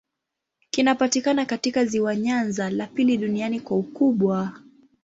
Kinapatikana katika ziwa Nyanza, la pili duniani kwa ukubwa.